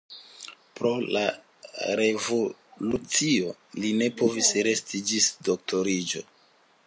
Pro la revolucio li ne povis resti ĝis doktoriĝo.